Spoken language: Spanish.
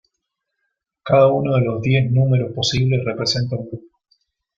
Cada uno de los diez números posibles representa un grupo.